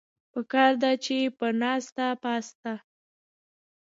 پکار ده چې پۀ ناسته پاسته